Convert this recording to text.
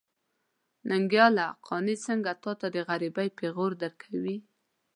ننګياله! قانع څنګه تاته د غريبۍ پېغور درکوي.